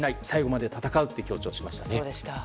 最後まで戦うと強調しましたね。